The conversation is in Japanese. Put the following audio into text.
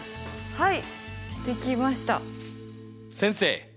はい！